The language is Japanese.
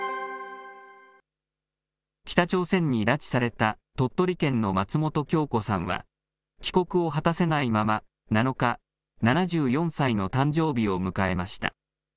北朝鮮に拉致された鳥取県の松本京子さんは、帰国を果たせないまま、７日、７４歳の誕生日を迎えました。